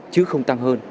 chứ không tăng hơn